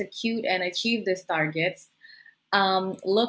mencapai target ini adalah